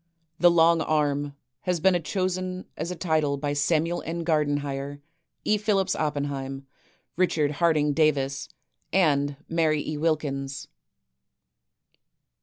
" The Long Arm " has been chosen as a title by Samuel N. Gardenhire, E. Phillips Oppenheim, Richard Harding Davis, and Mary E. Wilkins.